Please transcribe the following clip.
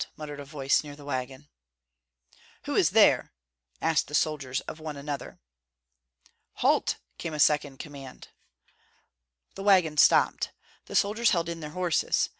muttered a voice near the wagon. "Who is there?" asked the soldiers of one another. "Halt!" came a second command. The wagon stopped. The soldiers held in their horses.